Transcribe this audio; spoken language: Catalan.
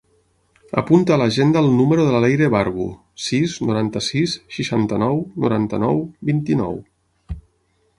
Apunta a l'agenda el número de la Leire Barbu: sis, noranta-sis, seixanta-nou, noranta-nou, vint-i-nou.